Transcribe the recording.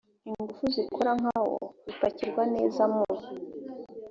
ingufu zikora nka wo bipakirwa neza mu